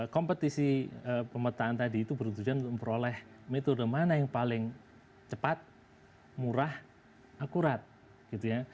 kompetisi pemetaan tadi itu bertujuan untuk memperoleh metode mana yang paling cepat murah akurat gitu ya